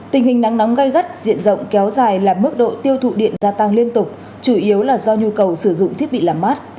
tình hình nắng nóng gai gắt diện rộng kéo dài làm mức độ tiêu thụ điện gia tăng liên tục chủ yếu là do nhu cầu sử dụng thiết bị làm mát